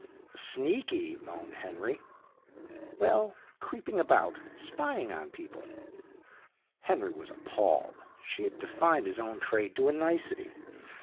'Sneaky!' moaned Henry. 'Well, creeping about, spying on people.' Henry was appalled. She had defined his own trade to a nicety.